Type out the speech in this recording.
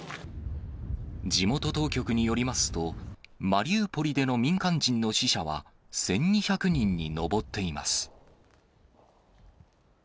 地元当局によりますと、マリウポリでの民間人の死者は１２００人に上っています。